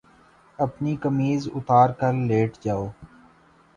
أپنی قمیض اُتار کر لیٹ جاؤ